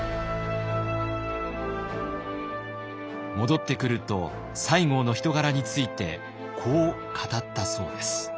戻ってくると西郷の人柄についてこう語ったそうです。